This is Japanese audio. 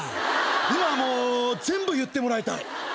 今はもう全部言ってもらいたい。